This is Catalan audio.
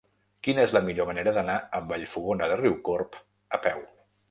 Quina és la millor manera d'anar a Vallfogona de Riucorb a peu?